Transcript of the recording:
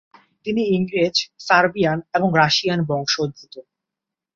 তিনি ইংরেজ, সার্বিয়ান এবং রাশিয়ান বংশোদ্ভূত।